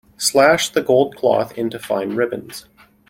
Slash the gold cloth into fine ribbons.